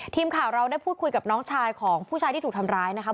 ทีมข่าวเราได้พูดคุยกับน้องชายของผู้ชายที่ถูกทำร้ายนะครับ